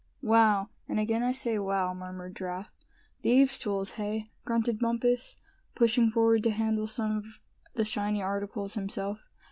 "Wow, and again I say, wow!" murmured Giraffe. "Thieves' tools, hey?" grunted Bumpus, pushing forward to handle some of the shiny articles himself.